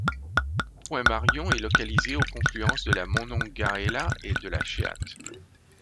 Point Marion est localisé au confluence de la Monongahela et de la Cheat.